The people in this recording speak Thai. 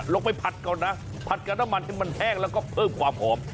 ไปผัดก่อนนะผัดกับน้ำมันให้มันแห้งแล้วก็เพิ่มความหอม